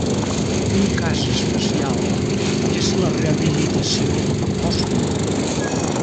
Un cas especial és la rehabilitació pòstuma.